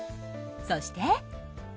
そして。